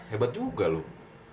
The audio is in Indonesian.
hebat juga loh